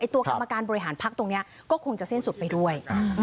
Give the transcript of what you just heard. ตัวกรรมการบริหารพักตรงนี้ก็คงจะสิ้นสุดไปด้วย